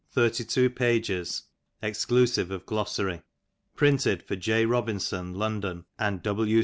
32 (ex *^ elusive of glossary). Printed for J. Robinson, London, and W.